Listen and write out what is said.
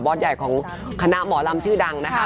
ใหญ่ของคณะหมอลำชื่อดังนะคะ